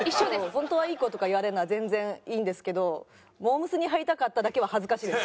「本当はいい子」とか言われるのは全然いいんですけど「モー娘。に入りたかった」だけは恥ずかしいです。